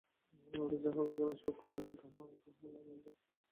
আমরা যাহাকে এখানে সুখ ও কল্যাণ বলি, তাহা সেই অনন্ত আনন্দের এক কণামাত্র।